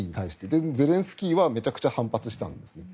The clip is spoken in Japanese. で、ゼレンスキーはめちゃくちゃ反発したんですね。